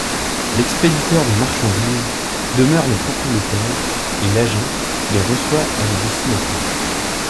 L'expéditeur des marchandises demeure le propriétaire et l'agent qui les reçoit est le destinataire.